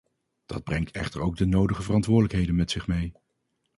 Dat brengt echter ook de nodige verantwoordelijkheden met zich mee.